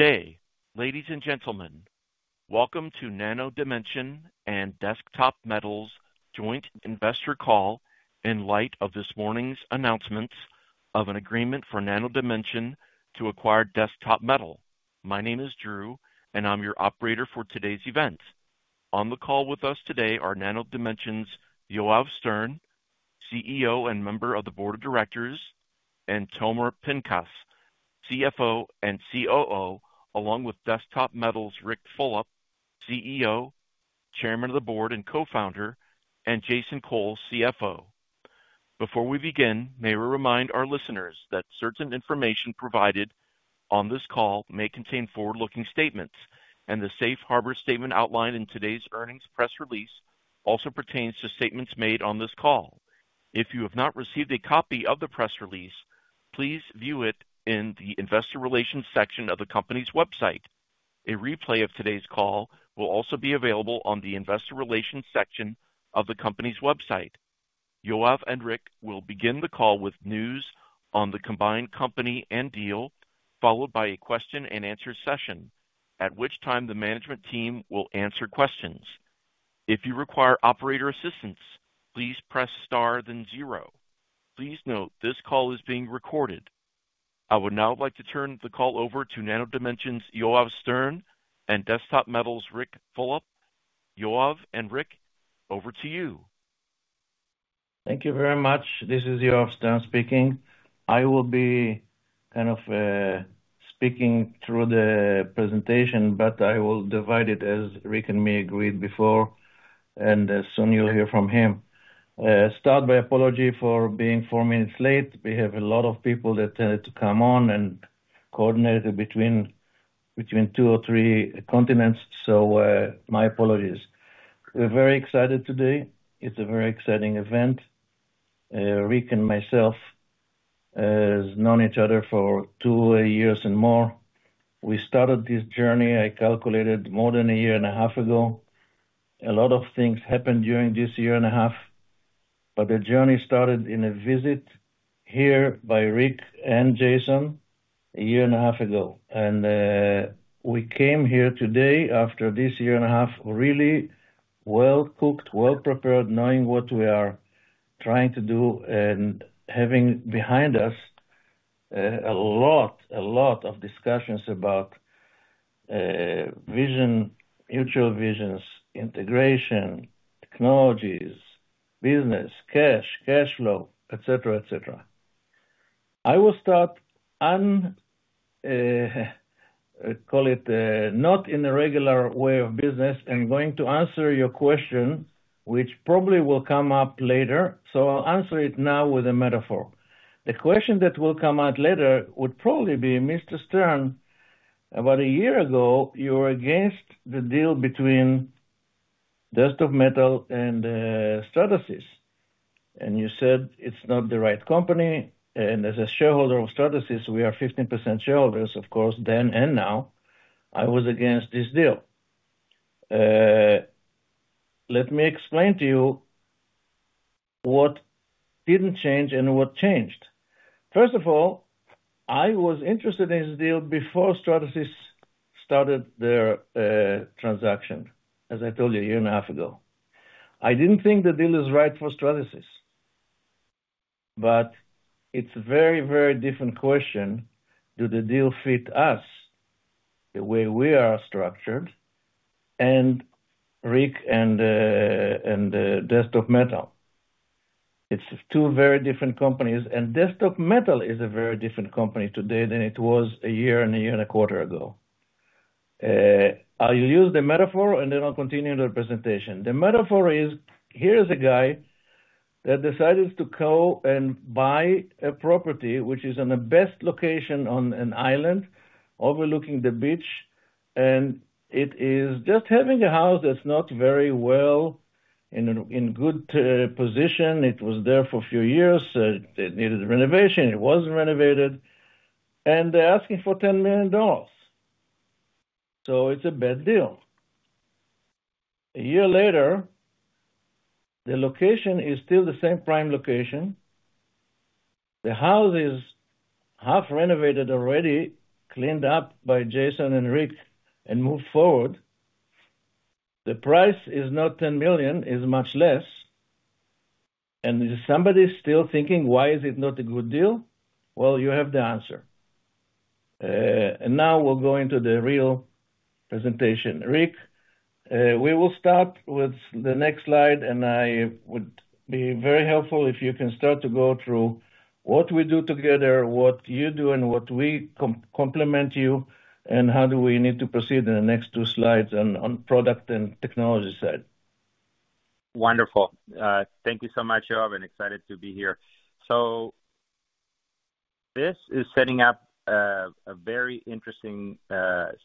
Good day, ladies and gentlemen. Welcome to Nano Dimension and Desktop Metal's joint investor call in light of this morning's announcements of an agreement for Nano Dimension to acquire Desktop Metal. My name is Drew, and I'm your operator for today's event. On the call with us today are Nano Dimension's Yoav Stern, CEO, and member of the board of directors, and Tomer Pinchas, CFO and COO, along with Desktop Metal's Ric Fulop, CEO, Chairman of the Board and Co-founder, and Jason Cole, CFO. Before we begin, may we remind our listeners that certain information provided on this call may contain forward-looking statements, and the safe harbor statement outlined in today's earnings press release also pertains to statements made on this call. If you have not received a copy of the press release, please view it in the investor relations section of the company's website. A replay of today's call will also be available on the investor relations section of the company's website. Yoav and Ric will begin the call with news on the combined company and deal, followed by a question and answer session, at which time the management team will answer questions. If you require operator assistance, please press star then zero. Please note, this call is being recorded. I would now like to turn the call over to Nano Dimension's, Yoav Stern, and Desktop Metal's, Ric Fulop. Yoav and Ric, over to you. Thank you very much. This is Yoav Stern speaking. I will be kind of speaking through the presentation, but I will divide it as Ric and me agreed before, and soon you'll hear from him. Start by apology for being 4 minutes late. We have a lot of people that to come on and coordinate between, between two or three continents, so my apologies. We're very excited today. It's a very exciting event. Ric and myself has known each other for 2 years and more. We started this journey, I calculated more than a year and a half ago. A lot of things happened during this year and a half, but the journey started in a visit here by Ric and Jason a year and a half ago. We came here today after this year and a half, really well-cooked, well prepared, knowing what we are trying to do and having behind us, a lot, a lot of discussions about, vision, mutual visions, integration, technologies, business, cash, cash flow, et cetera, et cetera. I will start on, call it, not in a regular way of business. I'm going to answer your question, which probably will come up later, so I'll answer it now with a metaphor. The question that will come out later would probably be: Mr. Stern, about a year ago, you were against the deal between Desktop Metal and, Stratasys, and you said it's not the right company. And as a shareholder of Stratasys, we are 15% shareholders, of course, then and now, I was against this deal. Let me explain to you what didn't change and what changed. First of all, I was interested in this deal before Stratasys started their transaction, as I told you, a year and a half ago. I didn't think the deal is right for Stratasys, but it's a very, very different question, do the deal fit us the way we are structured, and Ric and Desktop Metal? It's two very different companies, and Desktop Metal is a very different company today than it was a year and a year and a quarter ago. I'll use the metaphor, and then I'll continue the presentation. The metaphor is, here is a guy that decides to go and buy a property which is in the best location on an island, overlooking the beach, and it is just having a house that's not very well in good position. It was there for a few years, it needed renovation, it wasn't renovated, and they're asking for $10 million, so it's a bad deal. A year later, the location is still the same prime location. The house is half renovated, already, cleaned up by Jason and Ric and moved forward. The price is not $10 million, is much less. And if somebody is still thinking, why is it not a good deal? Well, you have the answer. Now we'll go into the real presentation. Ric, we will start with the next slide, and it would be very helpful if you can start to go through what we do together, what you do, and how we complement you, and how we need to proceed in the next two slides and on product and technology side. Wonderful. Thank you so much, Yoav, and excited to be here. So this is setting up a very interesting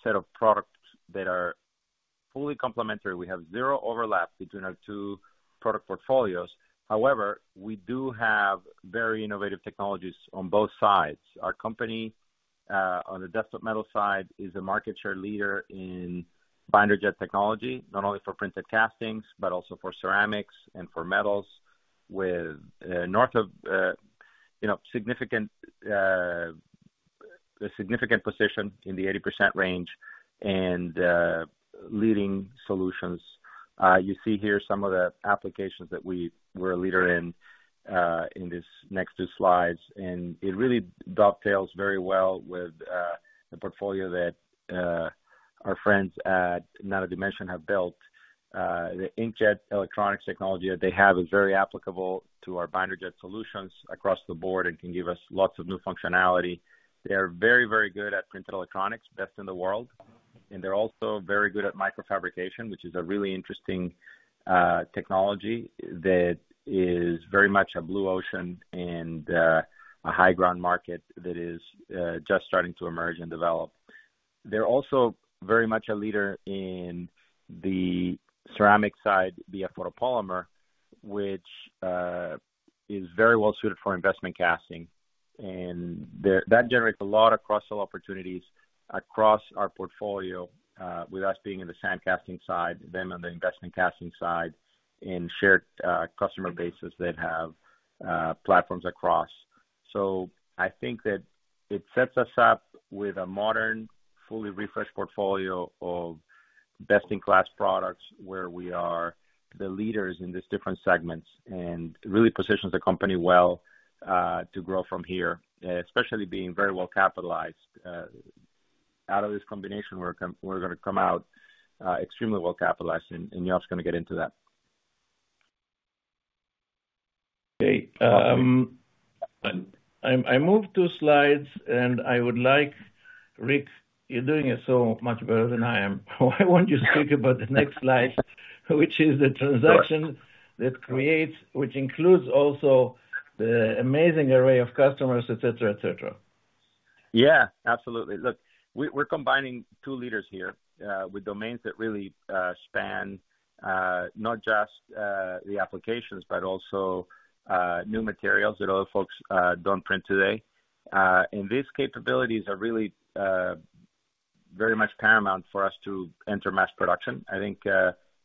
set of products that are fully complementary. We have zero overlap between our two product portfolios. However, we do have very innovative technologies on both sides. Our company, on the Desktop Metal side, is a market share leader in binder jet technology, not only for printed castings, but also for ceramics and for metals, with north of, you know, significant, a significant position in the 80% range and, leading solutions. You see here some of the applications that we were a leader in, in this next two slides, and it really dovetails very well with, the portfolio that, our friends at Nano Dimension have built. The inkjet electronics technology that they have is very applicable to our binder jet solutions across the board and can give us lots of new functionality. They are very, very good at printed electronics, best in the world, and they're also very good at microfabrication, which is a really interesting, technology that is very much a blue ocean and, a high ground market that is, just starting to emerge and develop. They're also very much a leader in the ceramic side, via photopolymer, which is very well suited for investment casting, and that generates a lot of cross-sell opportunities across our portfolio, with us being in the sand casting side, them on the investment casting side, in shared customer bases that have platforms across. So I think that it sets us up with a modern, fully refreshed portfolio of best-in-class products, where we are the leaders in these different segments, and really positions the company well to grow from here, especially being very well capitalized out of this combination. We're going to come out extremely well capitalized, and Yoav's going to get into that. Okay. I moved two slides, and I would like, Ric, you're doing it so much better than I am. Why won't you speak about the next slide, which is the transaction that creates, which includes also the amazing array of customers, et cetera, et cetera? Yeah, absolutely. Look, we're combining two leaders here with domains that really span not just the applications, but also new materials that other folks don't print today. And these capabilities are really very much paramount for us to enter mass production. I think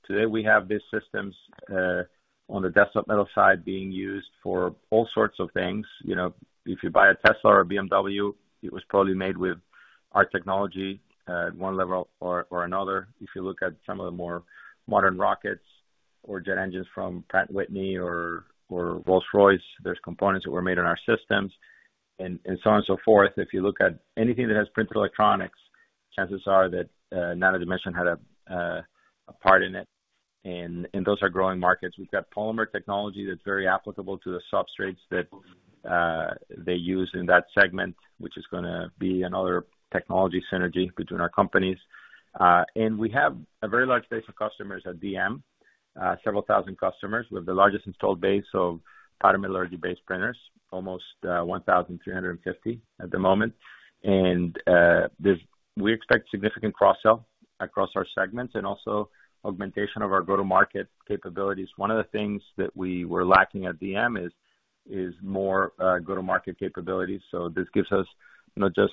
today we have these systems on the Desktop Metal side, being used for all sorts of things. You know, if you buy a Tesla or a BMW, it was probably made with our technology at one level or another. If you look at some of the more modern rockets or jet engines from Pratt & Whitney or Rolls-Royce, there's components that were made in our systems and so on and so forth. If you look at anything that has printed electronics, chances are that Nano Dimension had a part in it, and those are growing markets. We've got polymer technology that's very applicable to the substrates that they use in that segment, which is going to be another technology synergy between our companies. And we have a very large base of customers at DM, several thousand customers. We have the largest installed base of powder metallurgy-based printers, almost 1,350 at the moment. And we expect significant cross-sell across our segments and also augmentation of our go-to-market capabilities. One of the things that we were lacking at DM is more go-to-market capabilities. So this gives us not just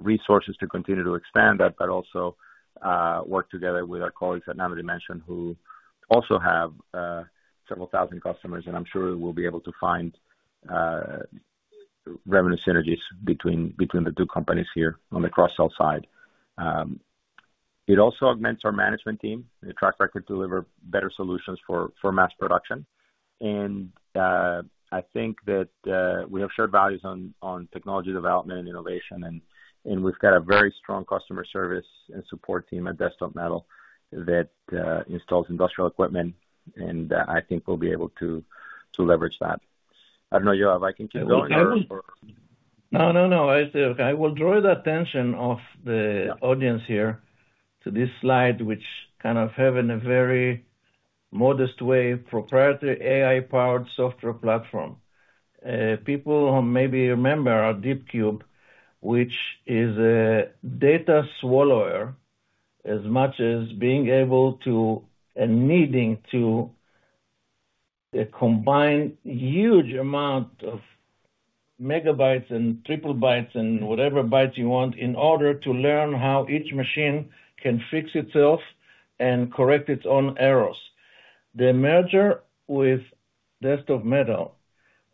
resources to continue to expand that, but also work together with our colleagues at Nano Dimension, who also have several thousand customers. And I'm sure we'll be able to find revenue synergies between the two companies here on the cross-sell side. It also augments our management team. The track record deliver better solutions for mass production. And I think that we have shared values on technology development and innovation, and we've got a very strong customer service and support team at Desktop Metal that installs industrial equipment, and I think we'll be able to leverage that. I don't know, Yoav, I can keep going or- No, no, no. I say, okay, I will draw the attention of the audience here to this slide, which kind of have in a very modest way, proprietary AI-powered software platform. People who maybe remember our DeepCube, which is a data swallower, as much as being able to, and needing to, combine huge amount of megabytes and terabytes and whatever bytes you want, in order to learn how each machine can fix itself and correct its own errors. The merger with Desktop Metal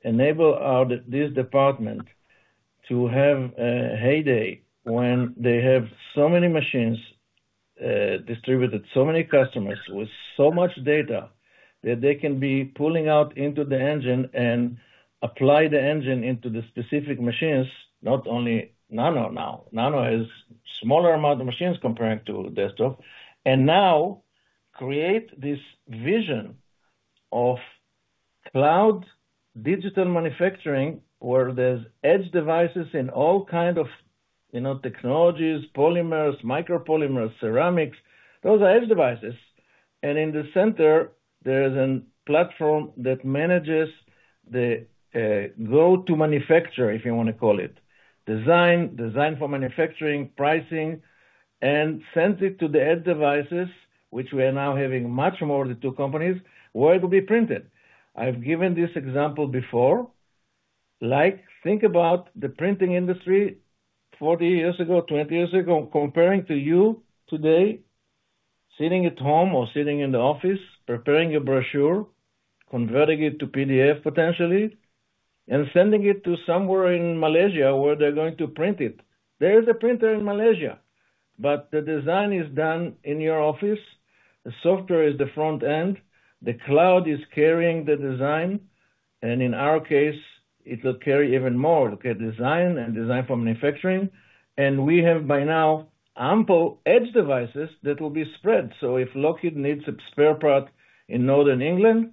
enable, this department to have a heyday when they have so many machines, distributed to so many customers with so much data, that they can be pulling out into the engine and apply the engine into the specific machines. Not only Nano now, Nano is smaller amount of machines comparing to Desktop. Now create this vision of cloud digital manufacturing, where there's edge devices in all kind of, you know, technologies, polymers, micro polymers, ceramics, those are edge devices. And in the center, there is a platform that manages the go-to manufacturer, if you want to call it. Design, design for manufacturing, pricing, and sends it to the edge devices, which we are now having much more the two companies where it will be printed. I've given this example before. Like, think about the printing industry 40 years ago, 20 years ago, comparing to you today, sitting at home or sitting in the office, preparing a brochure, converting it to PDF potentially, and sending it to somewhere in Malaysia where they're going to print it. There is a printer in Malaysia, but the design is done in your office. The software is the front end, the cloud is carrying the design, and in our case, it will carry even more. Look at design and design for manufacturing, and we have by now, ample edge devices that will be spread. So if Lockheed needs a spare part in Northern England,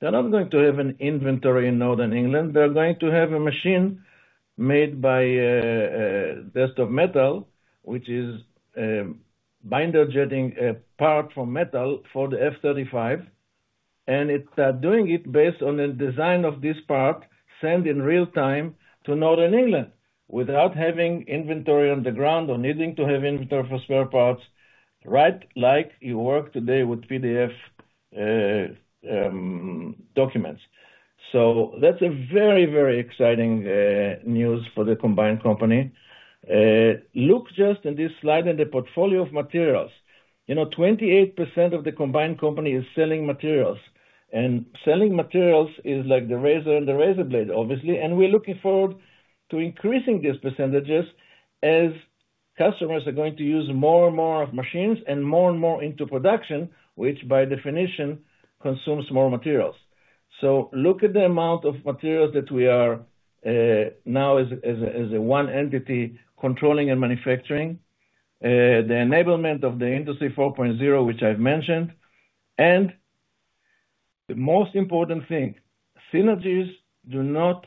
they're not going to have an inventory in Northern England. They're going to have a machine made by Desktop Metal, which is binder jetting part from metal for the F-35, and it's doing it based on the design of this part, sent in real time to Northern England without having inventory on the ground or needing to have inventory for spare parts, right, like you work today with PDF documents. So that's a very, very exciting news for the combined company. Look just in this slide at the portfolio of materials. You know, 28% of the combined company is selling materials. And selling materials is like the razor and the razor blade, obviously, and we're looking forward to increasing these percentages as customers are going to use more and more of machines and more and more into production, which by definition, consumes more materials. So look at the amount of materials that we are now as a, as a one entity controlling and manufacturing. The enablement of the Industry 4.0, which I've mentioned. And the most important thing, synergies do not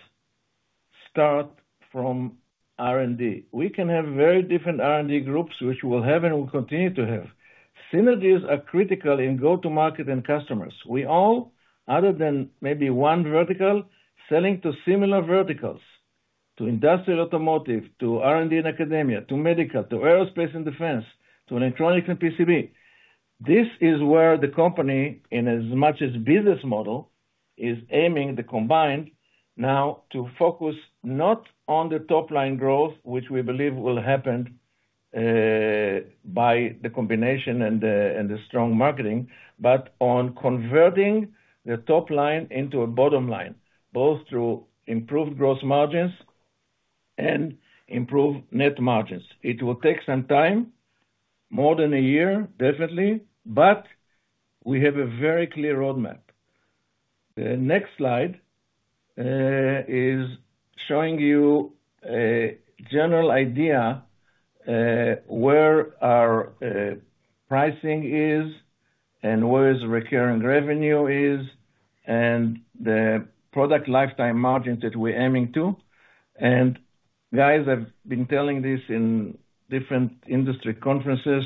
start from R&D. We can have very different R&D groups, which we'll have and will continue to have. Synergies are critical in go-to-market and customers. We all, other than maybe one vertical, selling to similar verticals, to industrial automotive, to R&D and academia, to medical, to aerospace and defense, to electronics and PCB. This is where the company, in as much as business model, is aiming the combined now to focus not on the top line growth, which we believe will happen by the combination and the, and the strong marketing, but on converting the top line into a bottom line, both through improved gross margins and improved net margins. It will take some time, more than a year, definitely, but we have a very clear roadmap. The next slide is showing you a general idea, where our pricing is and where is recurring revenue is, and the product lifetime margins that we're aiming to. And guys, I've been telling this in different industry conferences.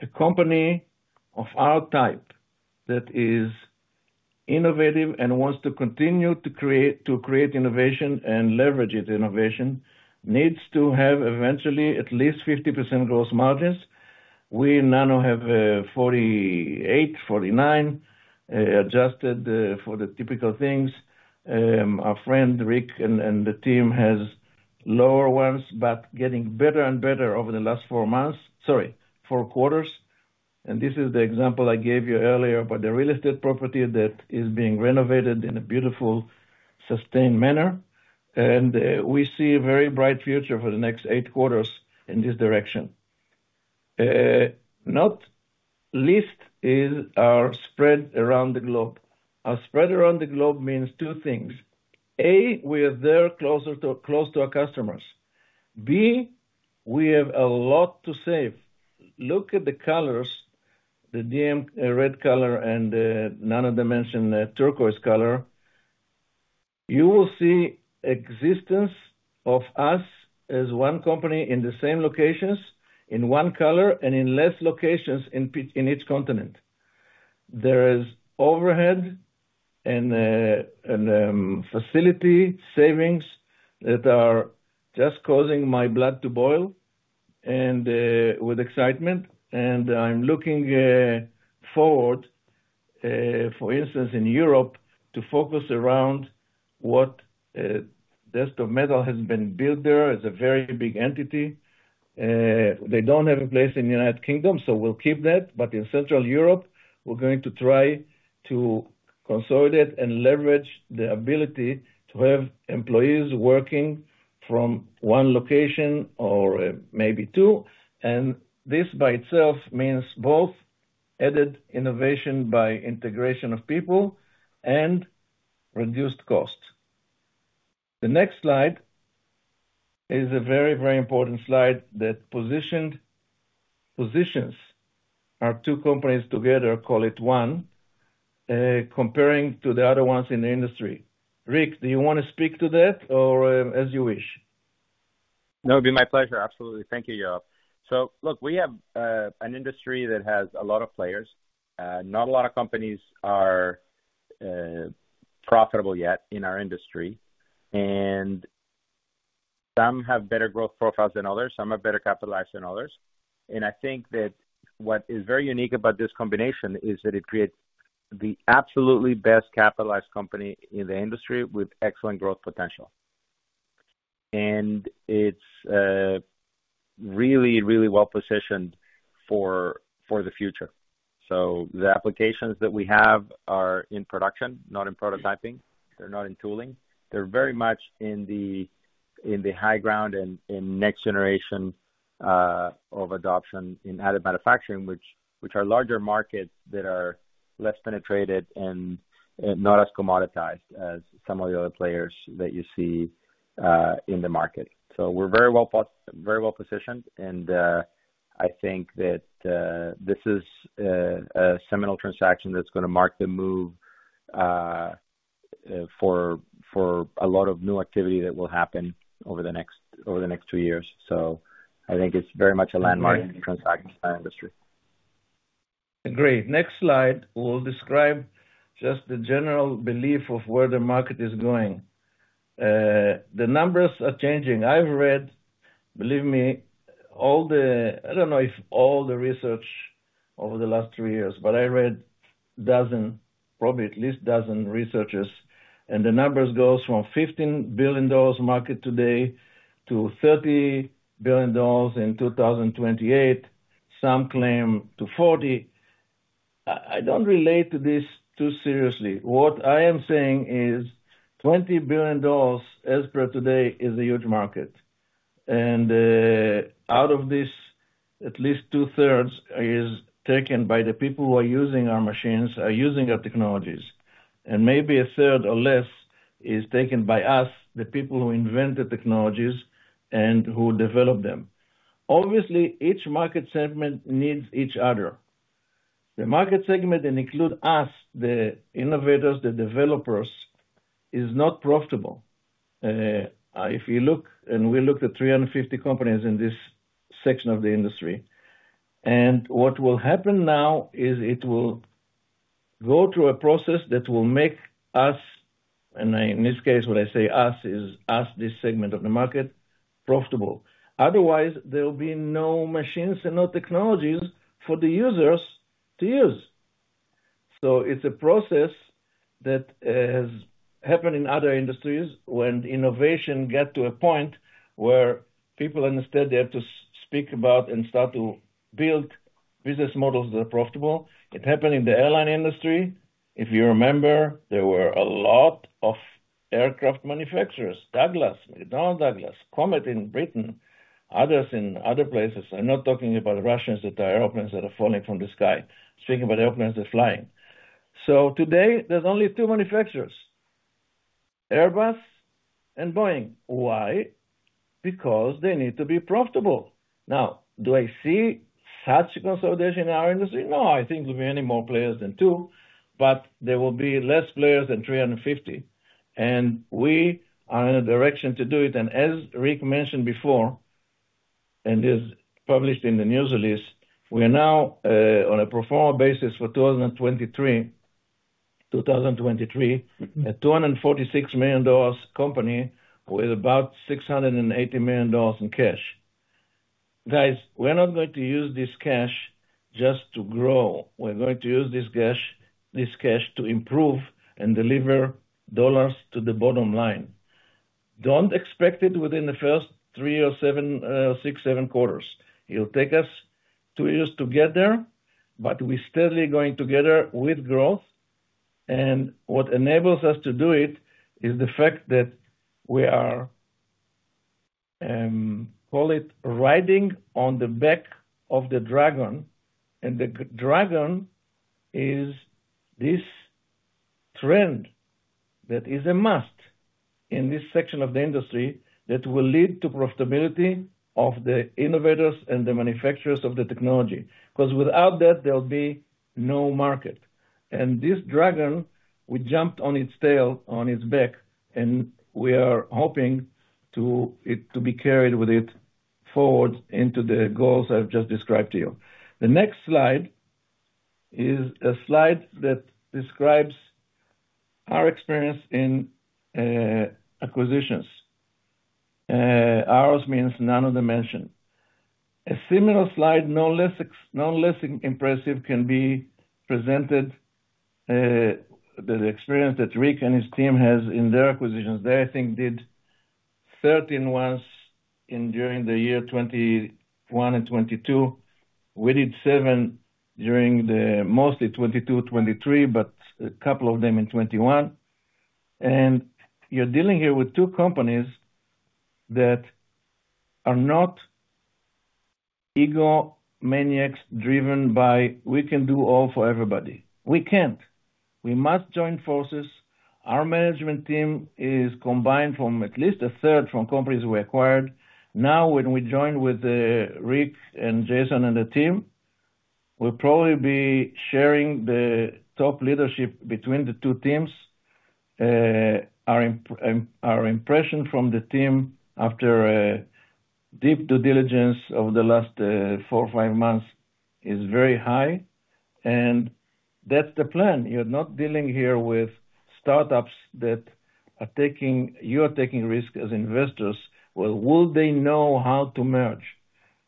A company of our type that is innovative and wants to continue to create, to create innovation and leverage its innovation, needs to have eventually at least 50% gross margins. We now have 48, 49 adjusted for the typical things. Our friend, Ric, and, and the team has lower ones, but getting better and better over the last four months. Sorry, four quarters. And this is the example I gave you earlier about the real estate property that is being renovated in a beautiful, sustained manner. And we see a very bright future for the next 8 quarters in this direction. Not least is our spread around the globe. Our spread around the globe means two things: A, we are there closer to, close to our customers. B, we have a lot to save. Look at the colors, the DM red color and the Nano Dimension, the turquoise color. You will see existence of us as one company in the same locations, in one color and in less locations, in each continent. There is overhead and facility savings that are just causing my blood to boil, and with excitement, and I'm looking forward, for instance, in Europe, to focus around what Desktop Metal has been built there as a very big entity. They don't have a place in the United Kingdom, so we'll keep that, but in Central Europe, we're going to try to consolidate and leverage the ability to have employees working from one location or maybe two. And this by itself means both added innovation by integration of people and reduced costs. The next slide is a very, very important slide that positioned, positions our two companies together, call it one, comparing to the other ones in the industry. Ric, do you want to speak to that or as you wish? That would be my pleasure. Absolutely. Thank you, Yoav. So look, we have an industry that has a lot of players. Not a lot of companies are profitable yet in our industry, and some have better growth profiles than others, some are better capitalized than others. And I think that what is very unique about this combination is that it creates the absolutely best capitalized company in the industry with excellent growth potential. And it's really, really well positioned for the future. So the applications that we have are in production, not in prototyping, they're not in tooling. They're very much in the high ground and in next generation of adoption in additive manufacturing, which are larger markets that are less penetrated and not as commoditized as some of the other players that you see in the market. So we're very well positioned, and I think that this is a seminal transaction that's gonna mark the move for a lot of new activity that will happen over the next, over the next two years. So I think it's very much a landmark transaction in the industry. Agree. Next slide will describe just the general belief of where the market is going. The numbers are changing. I've read, believe me, all the research over the last three years, but I read a dozen, probably at least a dozen researches, and the numbers go from $15 billion market today to $30 billion in 2028, some claim to 40. I don't relate to this too seriously. What I am saying is $20 billion as per today is a huge market, and out of this, at least 2/3 is taken by the people who are using our machines, are using our technologies, and maybe a 1/3 or less is taken by us, the people who invent the technologies and who develop them. Obviously, each market segment needs each other. The market segment, and include us, the innovators, the developers, is not profitable. If you look, and we looked at 350 companies in this section of the industry, and what will happen now is it will go through a process that will make us, and in this case, when I say us, is us, this segment of the market, profitable. Otherwise, there will be no machines and no technologies for the users to use. So it's a process that has happened in other industries, when innovation get to a point where people instead, they have to speak about and start to build business models that are profitable. It happened in the airline industry. If you remember, there were a lot of aircraft manufacturers, Douglas, McDonnell Douglas, Comet in Britain, others in other places. I'm not talking about Russians, that the airplanes that are falling from the sky. I'm speaking about airplanes that are flying. So today, there's only 2 manufacturers, Airbus and Boeing. Why? Because they need to be profitable. Now, do I see such consolidation in our industry? No, I think there will be any more players than 2, but there will be less players than 350, and we are in a direction to do it. As Ric mentioned before, and is published in the news release, we are now, on a pro forma basis for 2023, 2023, a $246 million company with about $680 million in cash. Guys, we're not going to use this cash just to grow. We're going to use this cash, this cash to improve and deliver dollars to the bottom line. Don't expect it within the first six, seven quarters. It'll take us two years to get there, but we're steadily going together with growth, and what enables us to do it is the fact that we are, call it riding on the back of the dragon, and the dragon is this trend that is a must in this section of the industry, that will lead to profitability of the innovators and the manufacturers of the technology, because without that, there will be no market. And this dragon, we jumped on its tail, on its back, and we are hoping to, it to be carried with it forward into the goals I've just described to you. The next slide is a slide that describes our experience in acquisitions. Ours means none of the mentioned. A similar slide, no less impressive, can be presented, the experience that Ric and his team has in their acquisitions. They, I think, did 13 ones in during the year 2021 and 2022. We did 7 during mostly 2022, 2023, but a couple of them in 2021. And you're dealing here with two companies that are not ego maniacs, driven by, "We can do all for everybody." We can't. We must join forces. Our management team is combined from at least a third from companies we acquired. Now, when we join with Ric and Jason and the team, we'll probably be sharing the top leadership between the two teams. Our impression from the team after a deep due diligence over the last four or five months is very high, and that's the plan. You're not dealing here with startups that are taking, you are taking risk as investors. Well, will they know how to merge?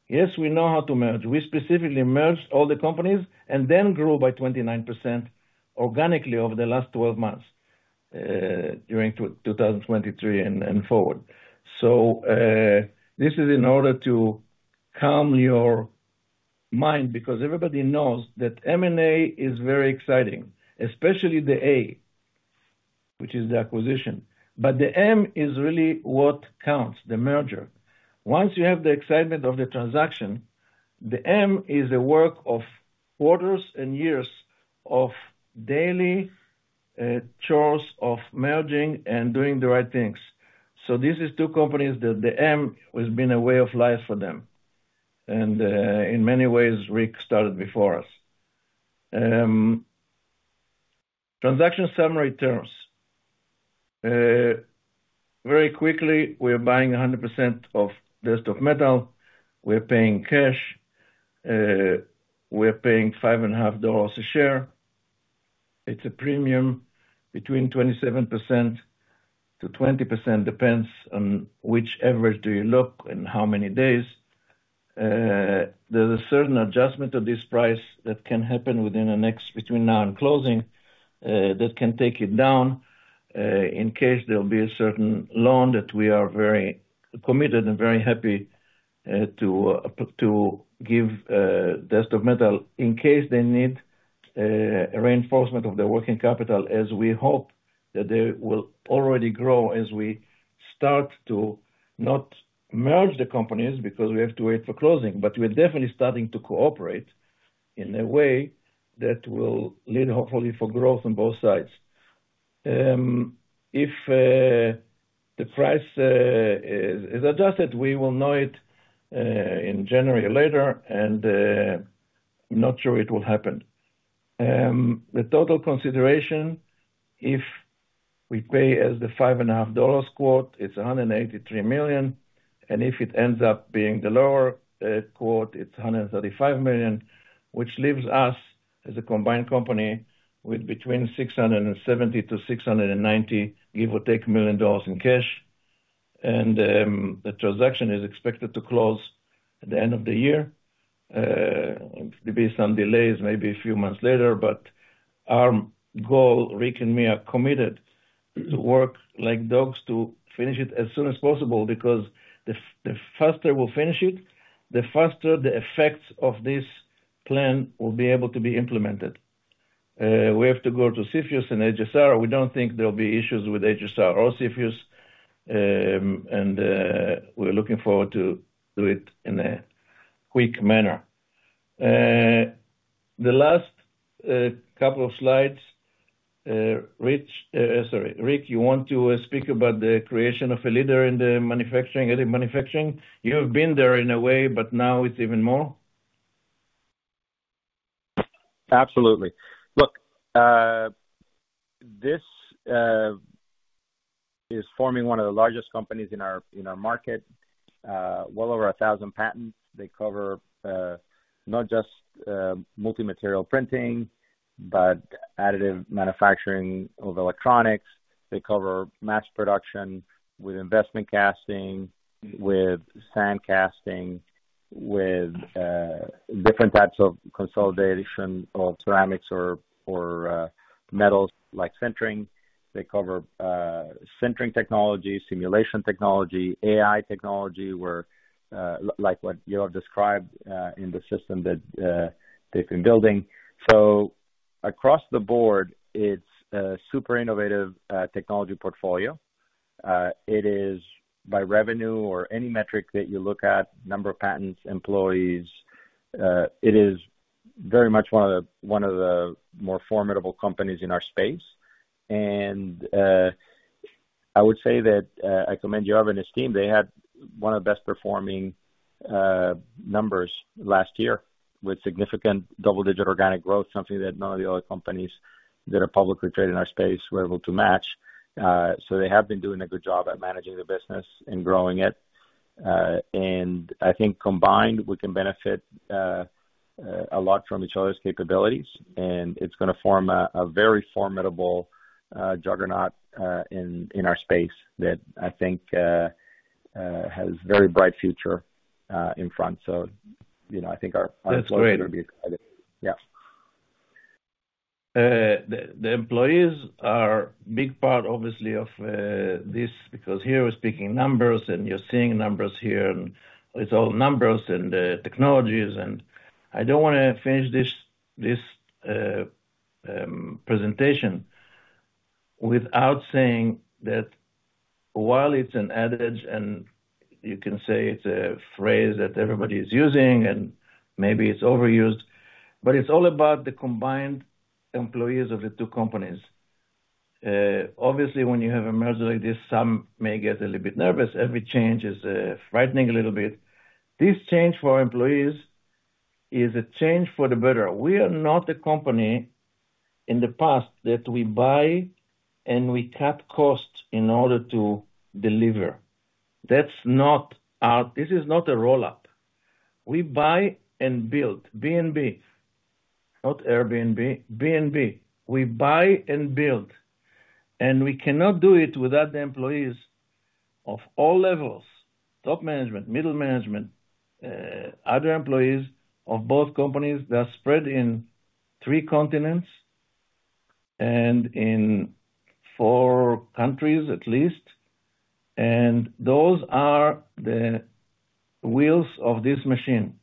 Yes, we know how to merge. We specifically merged all the companies and then grew by 29% organically over the last 12 months during 2023 and forward. So, this is in order to calm your mind, because everybody knows that M&A is very exciting, especially the A, which is the acquisition. But the M is really what counts, the merger. Once you have the excitement of the transaction, the M is a work of quarters and years of daily chores of merging and doing the right things. This is two companies that the M&A has been a way of life for them, and, in many ways, Ric started before us. Transaction summary terms. Very quickly, we are buying 100% of Desktop Metal. We're paying cash, we're paying $5.50 a share. It's a premium between 27%-20%, depends on whichever do you look and how many days. There's a certain adjustment of this price that can happen within the next, between now and closing, that can take it down, in case there will be a certain loan that we are very committed and very happy to give Desktop Metal in case they need reinforcement of their working capital, as we hope that they will already grow as we start to not merge the companies, because we have to wait for closing. But we're definitely starting to cooperate in a way that will lead, hopefully, for growth on both sides. If the price is adjusted, we will know it in January later, and I'm not sure it will happen. The total consideration, if we pay as the $5.50 quote, it's $183 million, and if it ends up being the lower quote, it's $135 million, which leaves us as a combined company with between 670 and 690, give or take, million dollars in cash. And the transaction is expected to close at the end of the year, based on delays, maybe a few months later. But our goal, Ric and me, are committed to work like dogs to finish it as soon as possible, because the faster we'll finish it, the faster the effects of this plan will be able to be implemented. We have to go to CFIUS and HSR. We don't think there will be issues with HSR or CFIUS, and we're looking forward to do it in a quick manner. The last couple of slides, Ric, sorry, Ric, you want to speak about the creation of a leader in the manufacturing, additive manufacturing? You have been there in a way, but now it's even more. Absolutely. Look, this is forming one of the largest companies in our market, well over 1,000 patents. They cover not just multi-material printing, but additive manufacturing of electronics. They cover mass production with investment casting, with sand casting, with different types of consolidation of ceramics or metals, like sintering. They cover sintering technology, simulation technology, AI technology, where, like what you have described, in the system that they've been building. So across the board, it's a super innovative technology portfolio. It is by revenue or any metric that you look at, number of patents, employees, it is very much one of the more formidable companies in our space. And I would say that I commend Yoav and his team. They had one of the best performing numbers last year, with significant double-digit organic growth, something that none of the other companies that are publicly traded in our space were able to match. So they have been doing a good job at managing the business and growing it. And I think combined, we can benefit a lot from each other's capabilities, and it's gonna form a very formidable juggernaut in our space that I think has very bright future in front. So, you know, I think our- That's great. Yes. The employees are a big part, obviously, of this, because here we're speaking numbers, and you're seeing numbers here, and it's all numbers and technologies. And I don't wanna finish this presentation without saying that while it's an adage, and you can say it's a phrase that everybody is using, and maybe it's overused, but it's all about the combined employees of the two companies. Obviously, when you have a merger like this, some may get a little bit nervous. Every change is frightening a little bit. This change for our employees is a change for the better. We are not a company in the past that we buy, and we cut costs in order to deliver. That's not our-- this is not a rollout. We buy and build, B&B. Not Airbnb, B&B. We buy and build, and we cannot do it without the employees of all levels, top management, middle management, other employees of both companies that are spread in three continents and in four countries at least. Those are the wheels of this machine.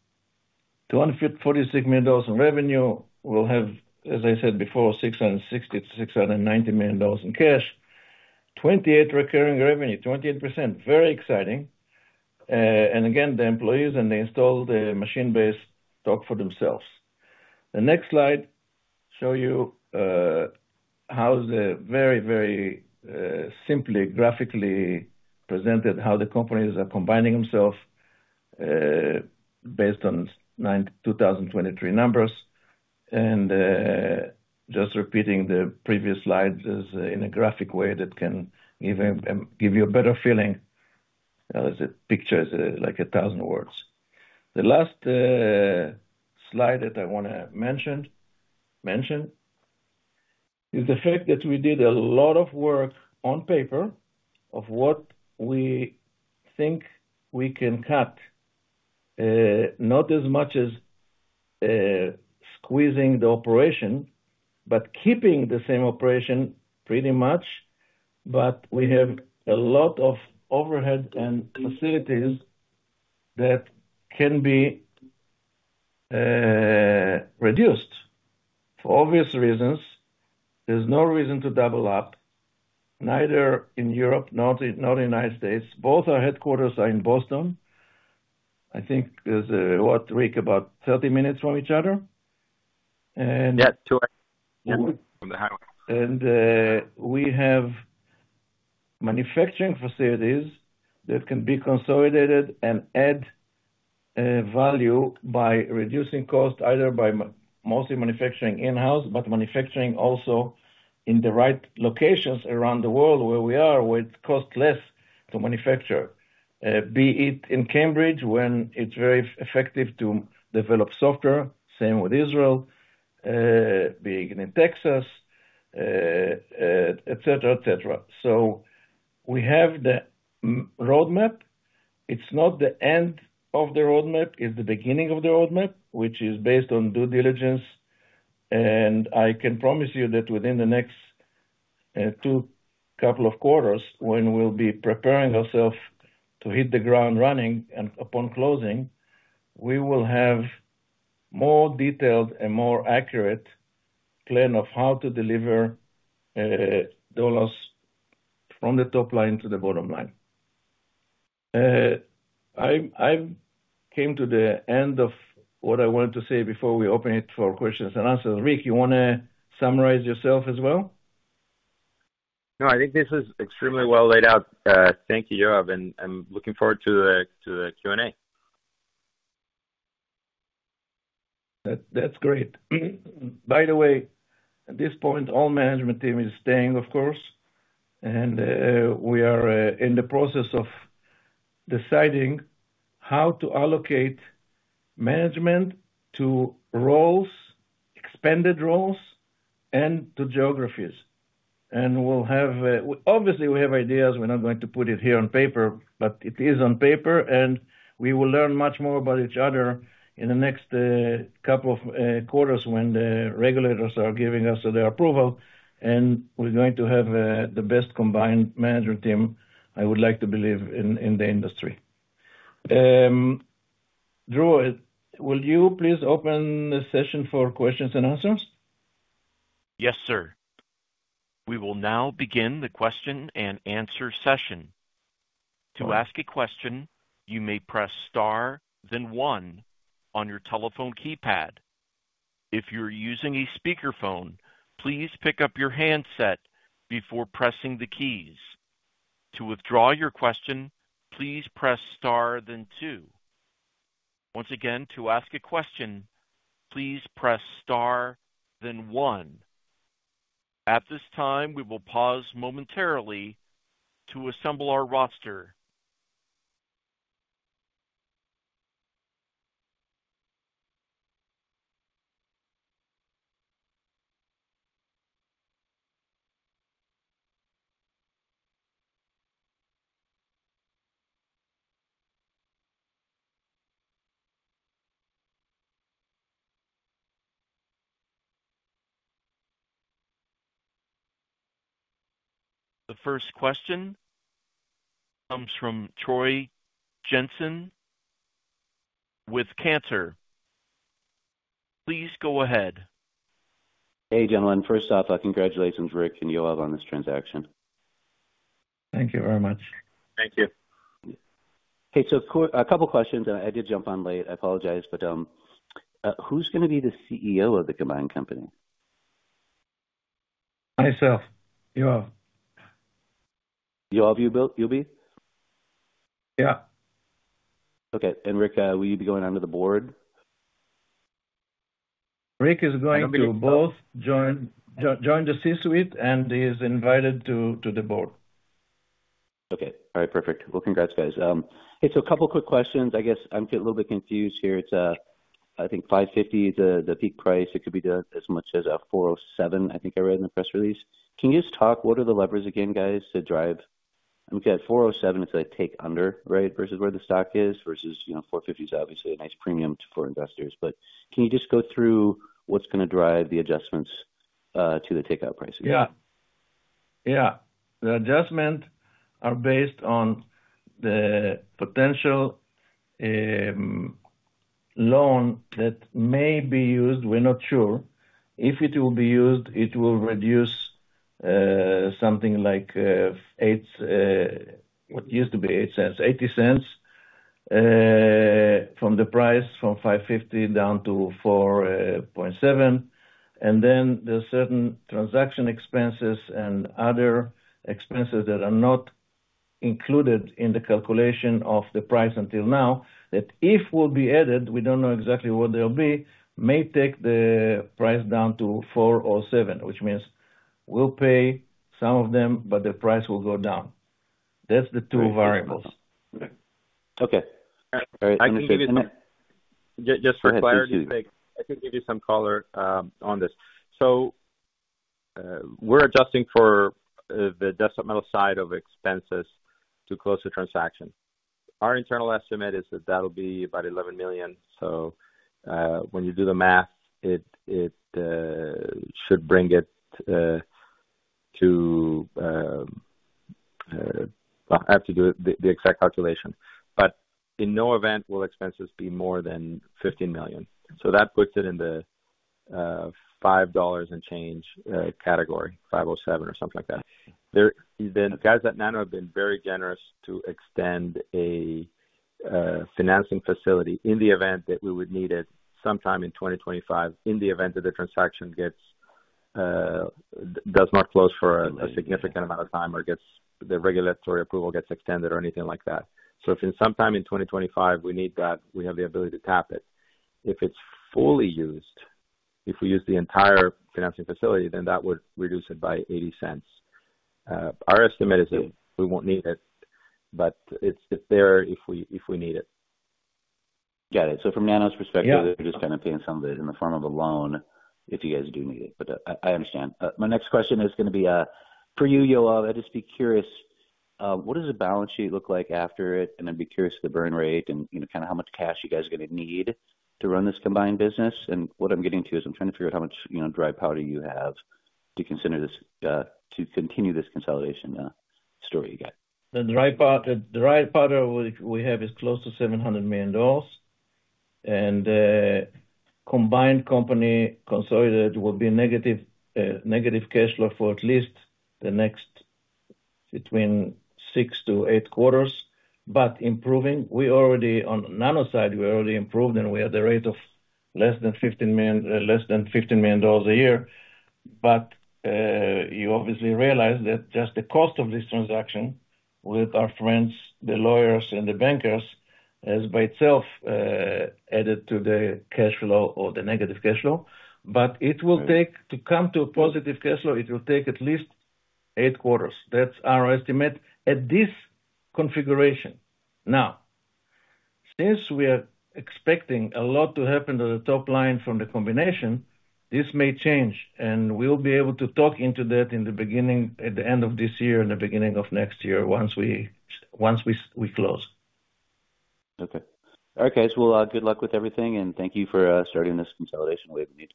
$246 million in revenue, we'll have, as I said before, $660 million-$690 million in cash, 28% recurring revenue. Very exciting. And again, the employees and the installed base talk for themselves. The next slide shows you how the very, very simply graphically presented, how the companies are combining themselves, based on 2023 numbers. And just repeating the previous slides is in a graphic way that can give, give you a better feeling. The picture is like 1,000 words. The last slide that I want to mention is the fact that we did a lot of work on paper of what we think we can cut, not as much as squeezing the operation, but keeping the same operation pretty much. But we have a lot of overhead and facilities that can be reduced. For obvious reasons, there's no reason to double up, neither in Europe nor in the United States. Both our headquarters are in Boston. I think there's what, Ric, about 30 minutes from each other? And- Yeah, two hours from the highway. We have manufacturing facilities that can be consolidated and add value by reducing costs, either by mostly manufacturing in-house, but manufacturing also in the right locations around the world where we are, where it costs less to manufacture. Be it in Cambridge, when it's very effective to develop software, same with Israel, be it in Texas, et cetera. We have the roadmap. It's not the end of the roadmap, it's the beginning of the roadmap, which is based on due diligence. I can promise you that within the next two couple of quarters, when we'll be preparing ourselves to hit the ground running and upon closing, we will have more detailed and more accurate plan of how to deliver dollars from the top line to the bottom line. I came to the end of what I wanted to say before we open it for questions and answers. Ric, you want to summarize yourself as well? No, I think this is extremely well laid out. Thank you, Yoav, and I'm looking forward to the Q&A. That, that's great. By the way, at this point, all management team is staying, of course, and we are in the process of deciding how to allocate management to roles, expanded roles, and to geographies. We'll have, obviously, we have ideas. We're not going to put it here on paper, but it is on paper, and we will learn much more about each other in the next couple of quarters when the regulators are giving us their approval, and we're going to have the best combined management team, I would like to believe in, in the industry. Drew, will you please open the session for questions and answers? Yes, sir. We will now begin the question and answer session. To ask a question, you may press star, then one on your telephone keypad. If you're using a speakerphone, please pick up your handset before pressing the keys. To withdraw your question, please press star, then two. Once again, to ask a question, please press star, then one. At this time, we will pause momentarily to assemble our roster. The first question comes from Troy Jensen with Cantor. Please go ahead. Hey, gentlemen. First off, congratulations, Ric and Yoav, on this transaction. Thank you very much. Thank you. Hey, so a couple questions, and I did jump on late. I apologize, but who's gonna be the CEO of the combined company? Myself, Yoav. Yoav, you'll be? Yeah. Okay. Ric, will you be going onto the board? Ric is going to both join the C-suite, and he is invited to the board. Okay. All right, perfect. Well, congrats, guys. Hey, so a couple quick questions. I guess I'm getting a little bit confused here. It's, I think $550, the peak price. It could be done as much as $407, I think I read in the press release. Can you just talk, what are the levers again, guys, to drive? Look at $407, it's a take under, right? Versus where the stock is, versus, you know, $450 is obviously a nice premium for investors. But can you just go through what's going to drive the adjustments to the takeout price again? Yeah. Yeah. The adjustment are based on the potential, loan that may be used, we're not sure. If it will be used, it will reduce, something like, eight, what used to be $0.80, $0.80, from the price, from $5.50 down to $4.7. And then there are certain transaction expenses and other expenses that are not included in the calculation of the price until now, that if will be added, we don't know exactly what they'll be, may take the price down to $4.07, which means we'll pay some of them, but the price will go down. That's the 2 variables. Okay. Just, just for clarity, I can give you some color on this. So, we're adjusting for the Desktop Metal side of expenses to close the transaction. Our internal estimate is that that'll be about $11 million. So, when you do the math, it should bring it to, I have to do the exact calculation, but in no event will expenses be more than $15 million. So that puts it in the $5 and change category, $5.07 or something like that. There, the guys at Nano have been very generous to extend a financing facility in the event that we would need it sometime in 2025, in the event that the transaction gets does not close for a significant amount of time or gets the regulatory approval gets extended or anything like that. So if sometime in 2025, we need that, we have the ability to tap it. If it's fully used, if we use the entire financing facility, then that would reduce it by $0.80. Our estimate is that we won't need it, but it's there if we need it. Got it. So from Nano's perspective- Yeah. They're just kind of paying some of it in the form of a loan, if you guys do need it. But I, I understand. My next question is going to be for you, Yoav. I'd just be curious what does the balance sheet look like after it? And I'd be curious to the burn rate and, you know, kind of how much cash you guys are going to need to run this combined business. And what I'm getting to is I'm trying to figure out how much, you know, dry powder you have to consider this to continue this consolidation story you got. The dry powder we have is close to $700 million, and the combined company consolidated will be negative cash flow for at least the next 6-8 quarters, but improving. We already, on Nano side, we already improved, and we are at the rate of less than $15 million a year. But you obviously realize that just the cost of this transaction with our friends, the lawyers and the bankers, is by itself added to the cash flow or the negative cash flow. But it will take, to come to a positive cash flow, it will take at least 8 quarters. That's our estimate at this configuration. Now, since we are expecting a lot to happen to the top line from the combination, this may change, and we'll be able to talk into that in the beginning, at the end of this year and the beginning of next year, once we close. Okay. Okay, so well, good luck with everything, and thank you for starting this consolidation we need.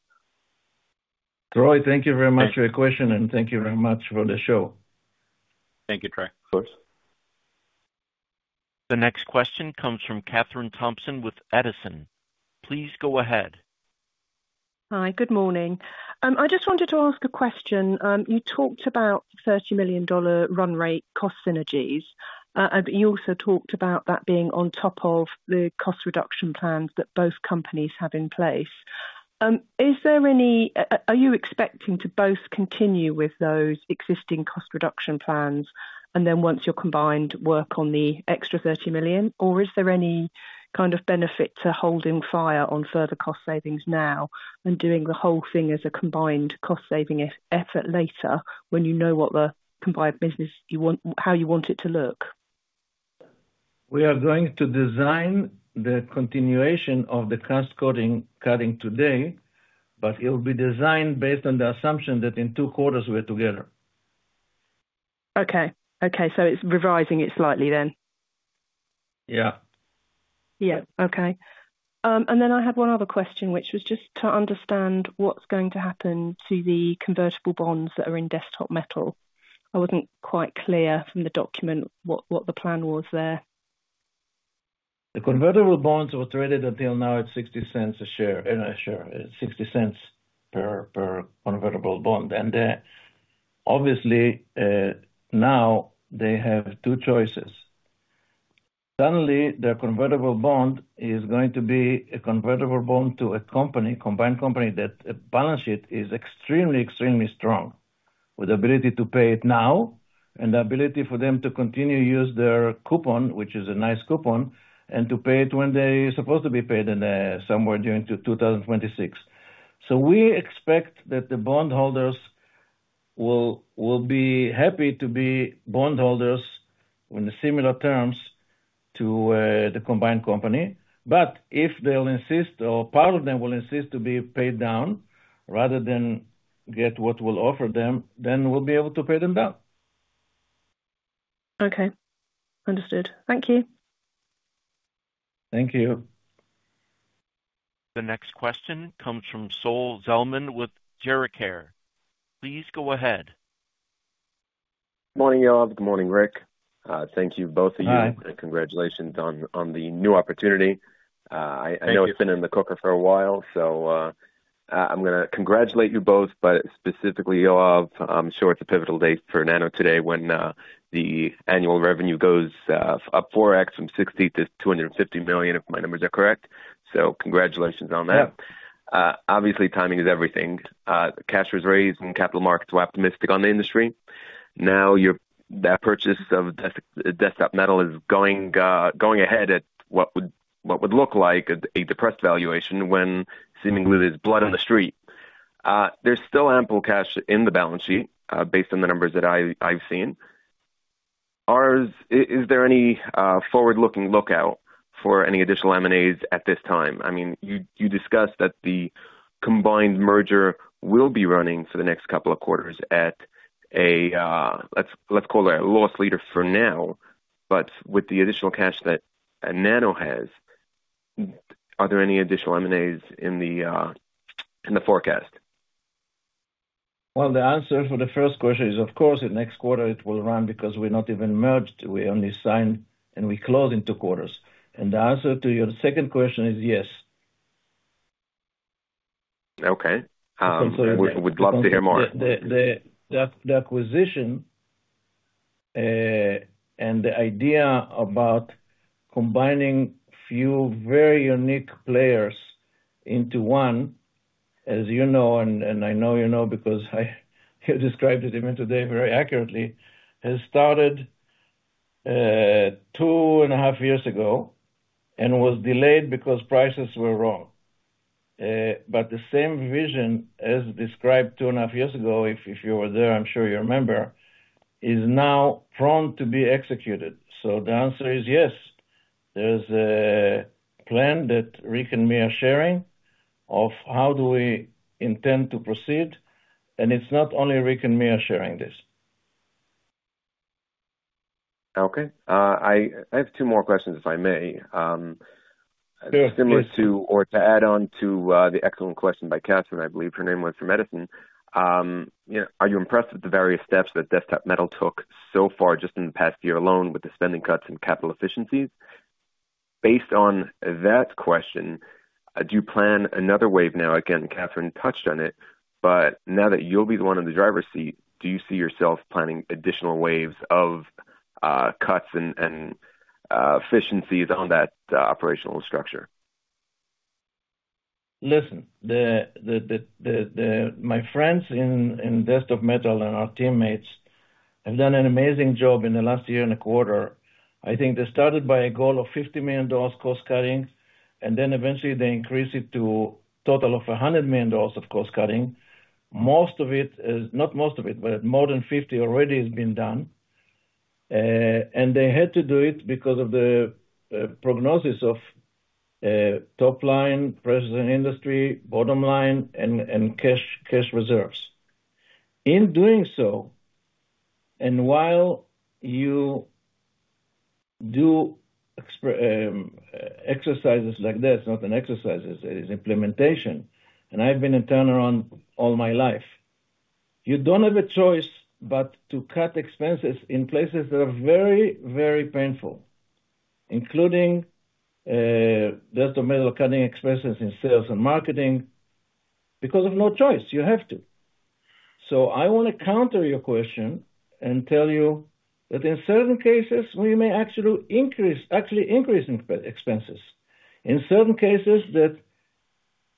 Troy, thank you very much for your question, and thank you very much for the show. Thank you, Troy. Of course. The next question comes from Katherine Thompson with Edison. Please go ahead. Hi, good morning. I just wanted to ask a question. You talked about $30 million run rate cost synergies, but you also talked about that being on top of the cost reduction plans that both companies have in place. Are you expecting to both continue with those existing cost reduction plans, and then once you're combined, work on the extra $30 million, or is there any kind of benefit to holding fire on further cost savings now and doing the whole thing as a combined cost-saving effort later when you know what the combined business you want, how you want it to look? We are going to design the continuation of the cost cutting today, but it will be designed based on the assumption that in 2 quarters we're together. Okay. Okay, so it's revising it slightly then? Yeah. Yeah. Okay. And then I had one other question, which was just to understand what's going to happen to the convertible bonds that are in Desktop Metal. I wasn't quite clear from the document what, what the plan was there. The convertible bonds were traded until now at $0.60 a share, $0.60 per convertible bond. And, obviously, now they have two choices. Suddenly, the convertible bond is going to be a convertible bond to a company, combined company, that balance sheet is extremely, extremely strong, with the ability to pay it now and the ability for them to continue to use their coupon, which is a nice coupon, and to pay it when they supposed to be paid in, somewhere during 2026. So we expect that the bondholders will, will be happy to be bondholders in the similar terms to, the combined company. But if they'll insist or part of them will insist to be paid down rather than get what we'll offer them, then we'll be able to pay them down. Okay, understood. Thank you. Thank you. The next question comes from Sol Zelman with Gericare. Please go ahead. Good morning, Yoav. Good morning, Ric. Thank you, both of you. Hi. Congratulations on the new opportunity. Thank you. I know it's been in the cooker for a while, so, I'm gonna congratulate you both, but specifically, Yoav, I'm sure it's a pivotal date for Nano today when the annual revenue goes up 4x from $60 million-$250 million, if my numbers are correct. So congratulations on that. Yeah. Obviously, timing is everything. Cash was raised and capital markets were optimistic on the industry. Now, that purchase of Desktop Metal is going ahead at what would look like a depressed valuation when seemingly there's blood on the street. There's still ample cash in the balance sheet based on the numbers that I've seen. Is there any forward-looking lookout for any additional M&As at this time? I mean, you discussed that the combined merger will be running for the next couple of quarters at a, let's call it a loss leader for now. But with the additional cash that Nano has, are there any additional M&As in the forecast? Well, the answer for the first question is, of course, in next quarter it will run because we're not even merged, we only signed and we close in two quarters. The answer to your second question is yes. Okay. Would love to hear more. The acquisition and the idea about combining few very unique players into one, as you know, and I know you know, because you described it even today very accurately, has started 2.5 years ago and was delayed because prices were wrong. But the same vision, as described 2.5 years ago, if you were there, I'm sure you remember, is now prone to be executed. So the answer is yes. There's a plan that Ric and me are sharing of how do we intend to proceed, and it's not only Ric and me are sharing this. Okay. I have two more questions, if I may. Yes. Similar to, or to add on to, the excellent question by Katherine, I believe her name was, from Edison. You know, are you impressed with the various steps that Desktop Metal took so far, just in the past year alone, with the spending cuts and capital efficiencies? Based on that question, do you plan another wave now? Again, Katherine touched on it, but now that you'll be the one in the driver's seat, do you see yourself planning additional waves of, cuts and, and, efficiencies on that, operational structure? Listen, the my friends in Desktop Metal and our teammates have done an amazing job in the last year and a quarter. I think they started by a goal of $50 million cost cutting, and then eventually they increased it to total of $100 million of cost cutting. Most of it is- not most of it, but more than 50 already has been done. And they had to do it because of the prognosis of top line, present industry, bottom line, and cash reserves. In doing so, and while you do exercises like this, not an exercise, it is implementation, and I've been in turnaround all my life. You don't have a choice but to cut expenses in places that are very, very painful, including Desktop Metal, cutting expenses in sales and marketing, because of no choice, you have to. So I want to counter your question and tell you that in certain cases, we may actually increase, actually increase expenses. In certain cases, that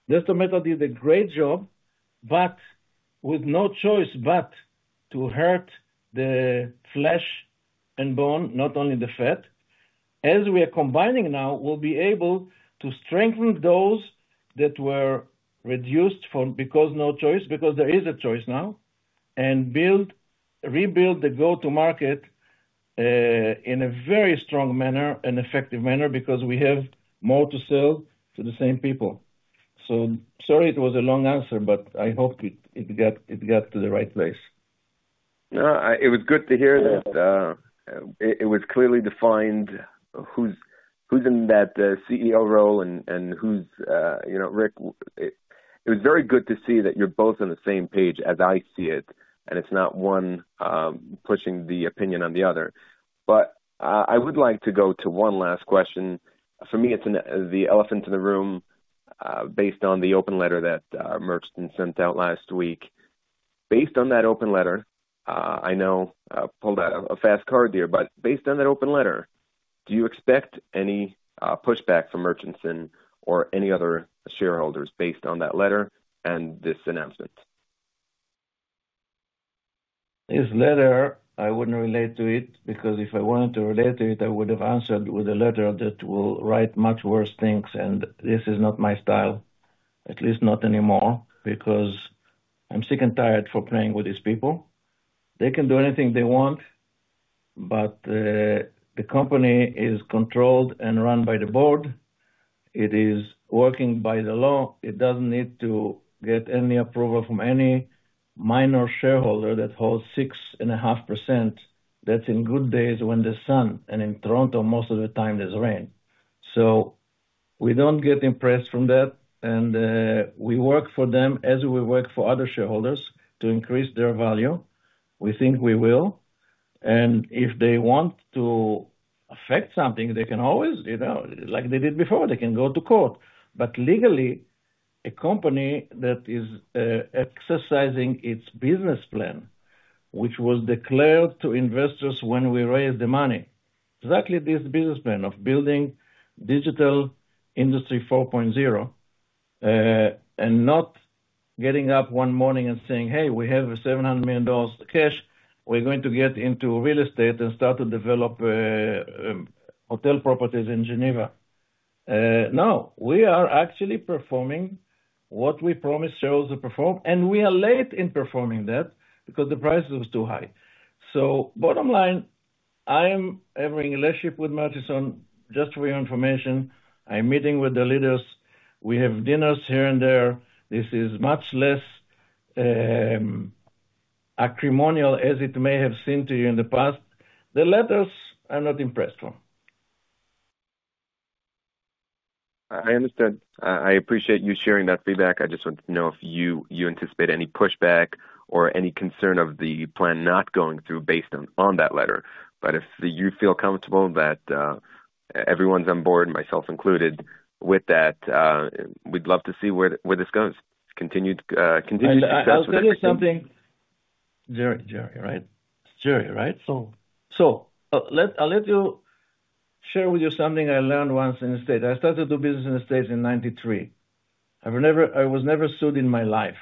Desktop Metal did a great job, but with no choice but to hurt the flesh and bone, not only the fat. As we are combining now, we'll be able to strengthen those that were reduced from because no choice, because there is a choice now, and rebuild the go-to market in a very strong manner and effective manner, because we have more to sell to the same people. So sorry, it was a long answer, but I hope it got to the right place. No, it was good to hear that, it was clearly defined who's who's in that CEO role and who's. You know, Ric, it was very good to see that you're both on the same page as I see it, and it's not one pushing the opinion on the other. But I would like to go to one last question. For me, it's the elephant in the room, based on the open letter that Murchinson sent out last week. Based on that open letter, I know, I pulled out a fast card there, but based on that open letter, do you expect any pushback from Murchinson or any other shareholders based on that letter and this announcement? This letter, I wouldn't relate to it, because if I wanted to relate to it, I would have answered with a letter that will write much worse things, and this is not my style, at least not anymore, because I'm sick and tired for playing with these people. They can do anything they want, but the company is controlled and run by the board. It is working by the law. It doesn't need to get any approval from any minor shareholder that holds 6.5%. That's in good days when the sun, and in Toronto, most of the time there's rain. So we don't get impressed from that, and we work for them as we work for other shareholders to increase their value. We think we will. And if they want to affect something, they can always, you know, like they did before, they can go to court. But legally, a company that is exercising its business plan, which was declared to investors when we raised the money, exactly this businessman of building digital Industry 4.0, and not getting up one morning and saying, "Hey, we have $700 million cash. We're going to get into real estate and start to develop hotel properties in Geneva." No, we are actually performing what we promised shareholders to perform, and we are late in performing that because the price was too high. So bottom line, I am having a relationship with Murchinson. Just for your information, I'm meeting with the leaders. We have dinners here and there. This is much less acrimonious as it may have seemed to you in the past. The letters, I'm not impressed from. I understand. I appreciate you sharing that feedback. I just want to know if you anticipate any pushback or any concern of the plan not going through based on that letter. But if you feel comfortable that everyone's on board, myself included, with that, we'd love to see where this goes. Continued success- I'll tell you something, Jerry. Jerry, right? It's Jerry, right? So, I'll let you share with you something I learned once in the States. I started to do business in the States in 1993. I've never, I was never sued in my life,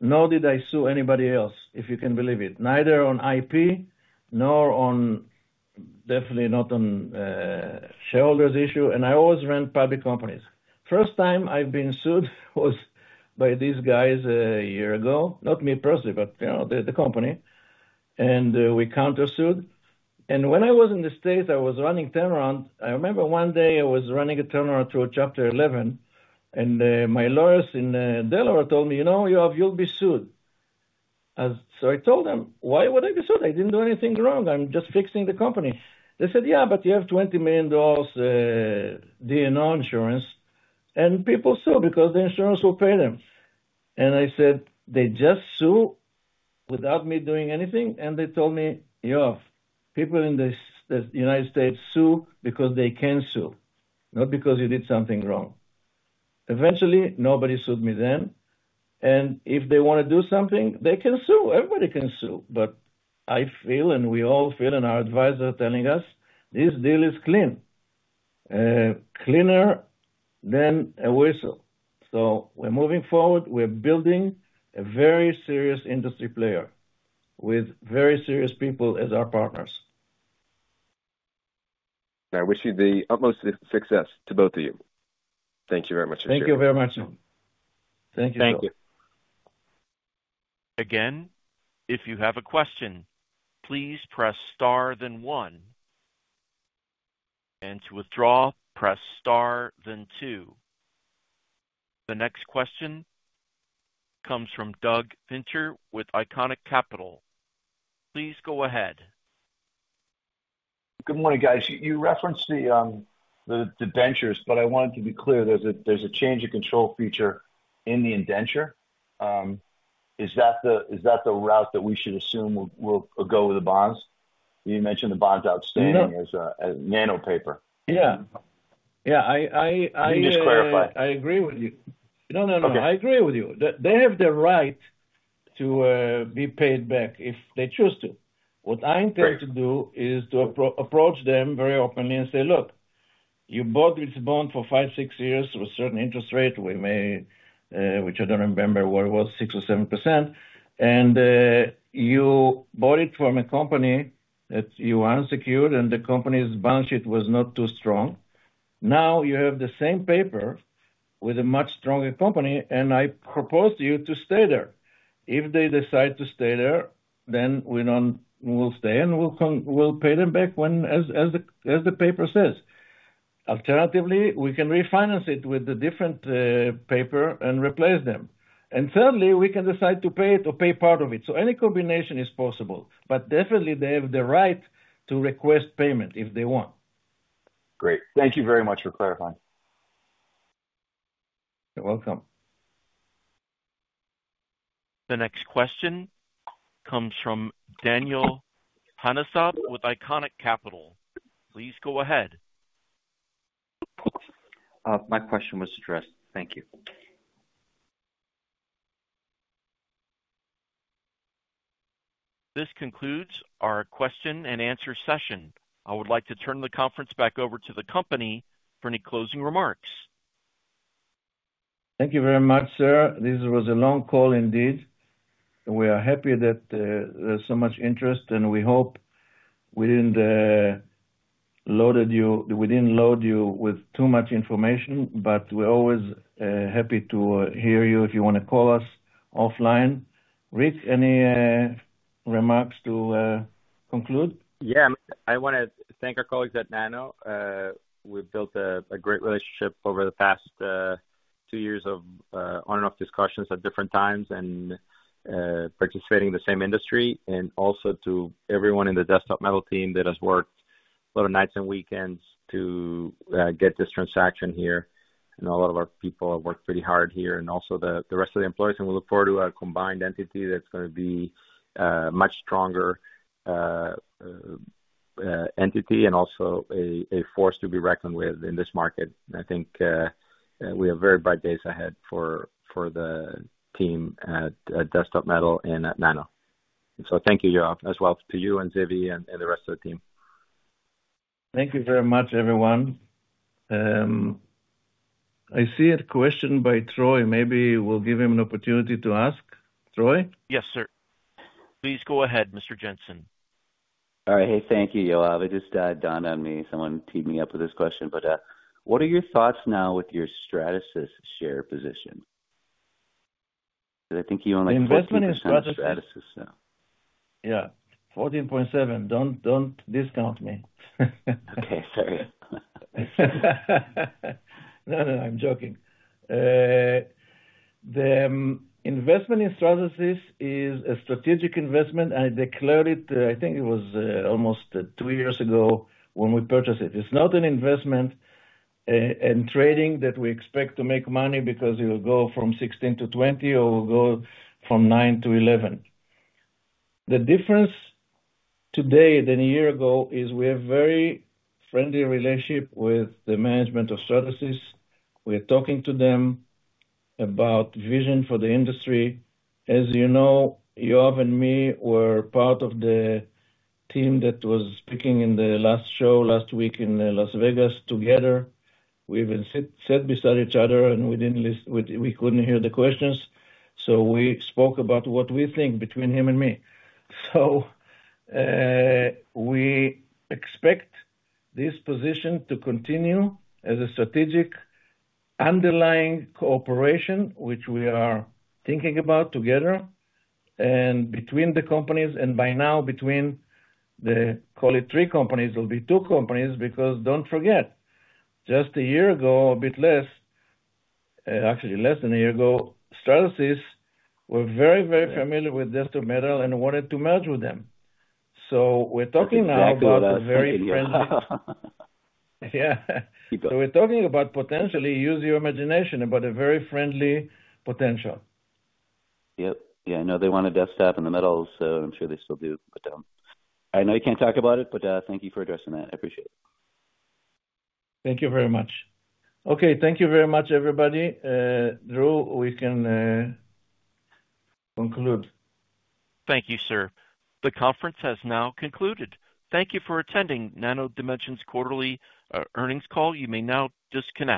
nor did I sue anybody else, if you can believe it. Neither on IP nor on, definitely not on, shareholders issue, and I always ran public companies. First time I've been sued was by these guys a year ago, not me personally, but, you know, the company, and we countersued. And when I was in the States, I was running turnaround. I remember one day I was running a turnaround through Chapter 11, and my lawyers in Delaware told me, "You know, Yoav, you'll be sued." And so I told them, "Why would I be sued? I didn't do anything wrong. I'm just fixing the company." They said, "Yeah, but you have $20 million, D&O insurance, and people sue because the insurance will pay them." And I said, "They just sue without me doing anything?" And they told me, "Yoav, people in the United States sue because they can sue, not because you did something wrong." Eventually, nobody sued me then, and if they want to do something, they can sue. Everybody can sue. But I feel, and we all feel, and our advisor telling us, this deal is clean, cleaner than a whistle. So we're moving forward. We're building a very serious industry player with very serious people as our partners. I wish you the utmost success to both of you. Thank you very much. Thank you very much. Thank you. Thank you. Again, if you have a question, please press star, then one. And to withdraw, press star, then two. The next question comes from Doug Fincher with Ionic Capital. Please go ahead. Good morning, guys. You referenced the indentures, but I wanted to be clear, there's a change of control feature in the indenture. Is that the route that we should assume will go with the bonds? You mentioned the bonds outstanding as Nano paper. Yeah. Yeah. Can you just clarify? I agree with you. No, no, no. Okay. I agree with you. They have the right to be paid back if they choose to. Great. What I intend to do is to approach them very openly and say, "Look, you bought this bond for 5-6 years with certain interest rate. We made, which I don't remember what it was, 6%-7%, and you bought it from a company that you unsecured, and the company's balance sheet was not too strong. Now, you have the same paper with a much stronger company, and I propose to you to stay there." If they decide to stay there, then we don't. We'll stay and we'll come, we'll pay them back when, as, as the, as the paper says. Alternatively, we can refinance it with a different paper and replace them. And thirdly, we can decide to pay it or pay part of it. So any combination is possible, but definitely they have the right to request payment if they want. Great. Thank you very much for clarifying. You're welcome. The next question comes from Daniel Hanasab, with Ionic Capital. Please go ahead. My question was addressed. Thank you. This concludes our question and answer session. I would like to turn the conference back over to the company for any closing remarks. Thank you very much, sir. This was a long call indeed. We are happy that there's so much interest, and we hope we didn't loaded you- we didn't load you with too much information, but we're always happy to hear you if you wanna call us offline. Ric, any remarks to conclude? Yeah. I wanna thank our colleagues at Nano. We've built a great relationship over the past two years of on and off discussions at different times and participating in the same industry, and also to everyone in the Desktop Metal team that has worked a lot of nights and weekends to get this transaction here. And all of our people have worked pretty hard here, and also the rest of the employees, and we look forward to a combined entity that's gonna be much stronger entity and also a force to be reckoned with in this market. I think we have very bright days ahead for the team at Desktop Metal and at Nano. So thank you, Yoav, as well to you and Zivi and the rest of the team. Thank you very much, everyone. I see a question by Troy. Maybe we'll give him an opportunity to ask. Troy? Yes, sir. Please go ahead, Mr. Jensen. All right. Hey, thank you, Yoav. It just dawned on me, someone teed me up with this question, but what are your thoughts now with your Stratasys share position? Because I think you own, like, 14% of Stratasys now. Yeah, 14.7%. Don't, don't discount me. Okay, sorry. No, no, I'm joking. The investment in Stratasys is a strategic investment, and I declared it, I think it was almost two years ago when we purchased it. It's not an investment in trading that we expect to make money because it will go from 16%-20%, or will go from 9%-11%. The difference today than a year ago is we have very friendly relationship with the management of Stratasys. We're talking to them about vision for the industry. As you know, Yoav and me were part of the team that was speaking in the last show last week in Las Vegas together. We even sat beside each other and we didn't listen—we couldn't hear the questions, so we spoke about what we think between him and me. So, we expect this position to continue as a strategic underlying cooperation, which we are thinking about together and between the companies, and by now between the, call it three companies, it'll be two companies, because don't forget, just a year ago, a bit less, actually less than a year ago, Stratasys were very, very familiar- Yeah.... with Desktop Metal and wanted to merge with them. So we're talking now about- Exactly what I was thinking. Yeah. Keep going. So we're talking about potentially, use your imagination, about a very friendly potential. Yep. Yeah, I know they wanted Desktop Metal, so I'm sure they still do, but I know you can't talk about it, but thank you for addressing that. I appreciate it. Thank you very much. Okay, thank you very much, everybody. Drew, we can conclude. Thank you, sir. The conference has now concluded. Thank you for attending Nano Dimension's quarterly earnings call. You may now disconnect.